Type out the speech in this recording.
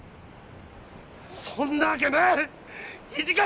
そんなわけない！